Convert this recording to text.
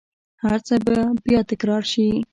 هرڅه به بیا تکرار شي